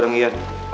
udah gak usah